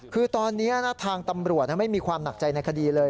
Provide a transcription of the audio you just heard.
คือตอนนี้ทางตำรวจไม่มีความหนักใจในคดีเลย